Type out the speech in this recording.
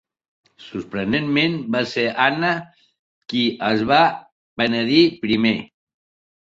Sorprenentment, va ser Anna qui es va penedir primer.